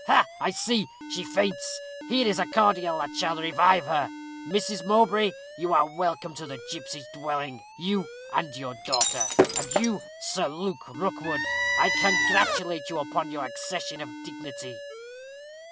"Ha! I see; she faints. Here is a cordial that shall revive her. Mrs. Mowbray, you are welcome to the gipsies' dwelling you and your daughter. And you, Sir Luke Rookwood, I congratulate you upon your accession of dignity."